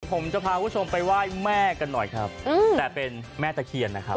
ผมจะพาคุณผู้ชมไปไหว้แม่กันหน่อยครับแต่เป็นแม่ตะเคียนนะครับ